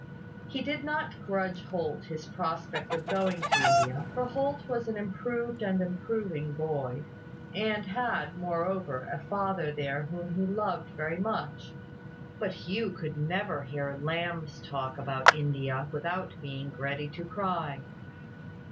He did not grudge Holt his prospect of going to India; for Holt was an improved and improving boy, and had, moreover, a father there whom he loved very much: but Hugh could never hear Lamb's talk about India without being ready to cry.